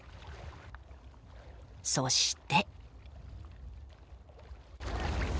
そして。